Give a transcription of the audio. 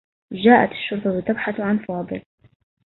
جاءت الشرطة تبحث عن فاضل.